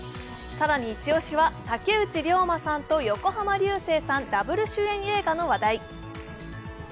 更にイチ押しは竹内涼真さんと横浜流星さんダブル主演映画の話題。